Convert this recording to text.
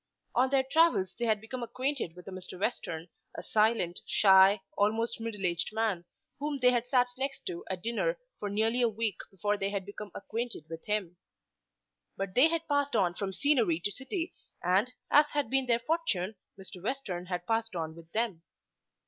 On their travels they had become acquainted with a Mr. Western, a silent, shy, almost middle aged man, whom they had sat next to at dinner for nearly a week before they had become acquainted with him. But they had passed on from scenery to city, and, as had been their fortune, Mr. Western had passed on with them.